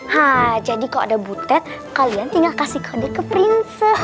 hah jadi kalau ada butet kalian tinggal kasih kode ke print